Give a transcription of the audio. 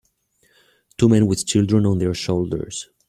Two men with children on their shoulders.